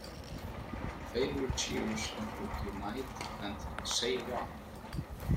Favourite cheers include "Unite" and "Say Ra".